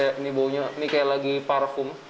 ini baunya seperti parfum